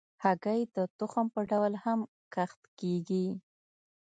هګۍ د تخم په ډول هم کښت کېږي.